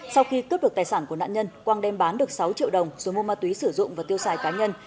sau khi cướp được tài sản của nạn nhân quang đem bán được sáu triệu đồng rồi mua ma túy sử dụng và tiêu xài cá nhân